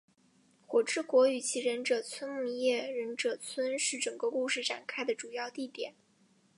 火之国与其忍者村木叶忍者村是整个故事展开的主要地点。